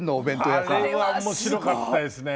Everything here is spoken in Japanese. あれは面白かったですね。